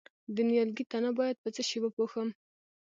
د نیالګي تنه باید په څه شي وپوښم؟